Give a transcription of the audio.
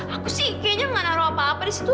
aku sih kayaknya nggak taruh apa apa di situ